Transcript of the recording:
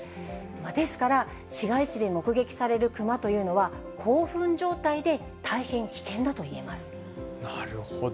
ですから、市街地で目撃されるクマというのは興奮状態で、大変危険だといえなるほど。